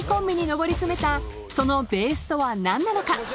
上り詰めたそのベースとは何なのか？］